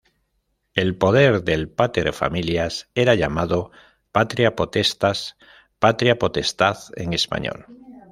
El poder del "pater familias" era llamado "patria potestas" —patria potestad en español—.